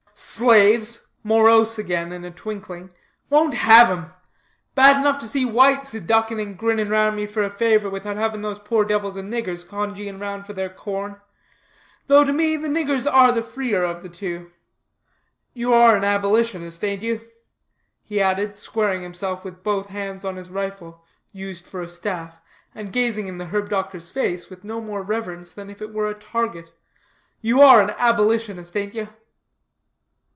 "Slaves?" morose again in a twinkling, "won't have 'em! Bad enough to see whites ducking and grinning round for a favor, without having those poor devils of niggers congeeing round for their corn. Though, to me, the niggers are the freer of the two. You are an abolitionist, ain't you?" he added, squaring himself with both hands on his rifle, used for a staff, and gazing in the herb doctor's face with no more reverence than if it were a target. "You are an abolitionist, ain't you?"